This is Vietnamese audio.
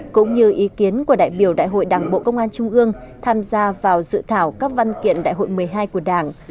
cũng như ý kiến của đại biểu đại hội đảng bộ công an trung ương tham gia vào dự thảo các văn kiện đại hội một mươi hai của đảng